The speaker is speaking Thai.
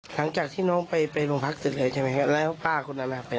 หลังจากที่น้องไปไปโรงพักติดเลยใช่ไหมค่ะแล้วป้าคุณน้ำแม่ไปไหน